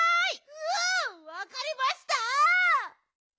うわわかりました！